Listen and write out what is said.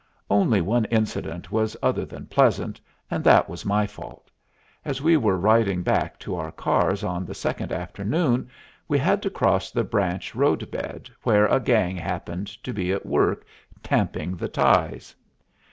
Only one incident was other than pleasant, and that was my fault. As we were riding back to our cars on the second afternoon, we had to cross the branch road bed, where a gang happened to be at work tamping the ties.